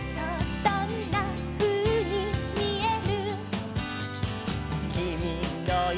「どんなふうにみえる？」